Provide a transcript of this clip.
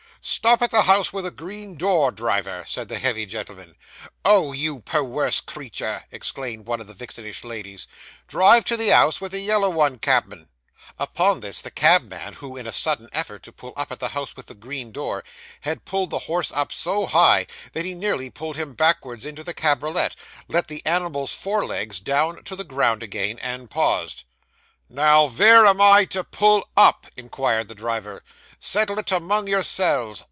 'Stop at the house with a green door, driver,' said the heavy gentleman. 'Oh! You perwerse creetur!' exclaimed one of the vixenish ladies. 'Drive to the 'ouse with the yellow door, cabmin.' Upon this the cabman, who in a sudden effort to pull up at the house with the green door, had pulled the horse up so high that he nearly pulled him backward into the cabriolet, let the animal's fore legs down to the ground again, and paused. 'Now vere am I to pull up?' inquired the driver. 'Settle it among yourselves.